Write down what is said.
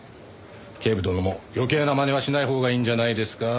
警部殿も余計なまねはしないほうがいいんじゃないですか？